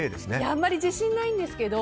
あんまり自信ないんですけど